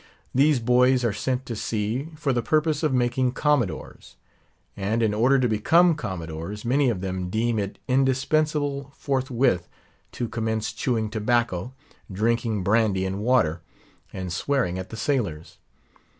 These boys are sent to sea, for the purpose of making commodores; and in order to become commodores, many of them deem it indispensable forthwith to commence chewing tobacco, drinking brandy and water, and swearing at the sailors.